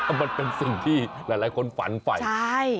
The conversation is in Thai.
มันเป็นสิ่งที่หลายคนฝันไปใช่